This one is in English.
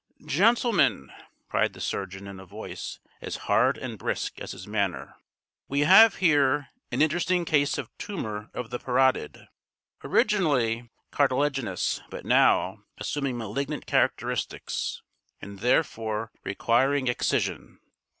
"Gentlemen," cried the surgeon in a voice as hard and brisk as his manner, "we have here an interesting case of tumour of the parotid, originally cartilaginous but now assuming malignant characteristics, and therefore requiring excision.